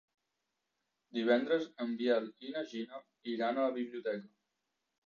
Divendres en Biel i na Gina iran a la biblioteca.